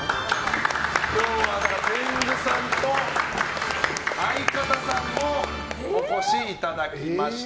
今日は、天狗さんと相方さんもお越しいただきました。